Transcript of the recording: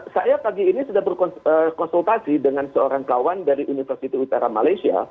saya pagi ini sudah berkonsultasi dengan seorang kawan dari universitas utara malaysia